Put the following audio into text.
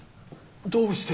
どうして。